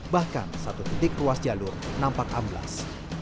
bahkan satu titik ruas jalur nampak amblas